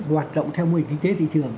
hoạt động theo mô hình kinh tế thị trường